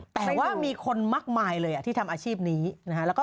แต่ว่ามีคนมากมายเลยที่ทำอาชีพนี้นะฮะ